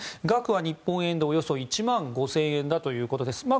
額は日本円でおよそ１万５０００円だということです。